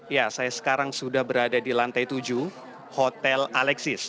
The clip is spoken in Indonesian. ya saya sekarang sudah berada di lantai tujuh hotel alexis